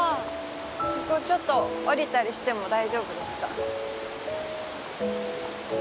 ここちょっと下りたりしても大丈夫ですか？